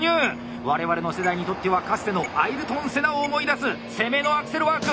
我々の世代にとってはかつてのアイルトン・セナを思い出す攻めのアクセルワーク！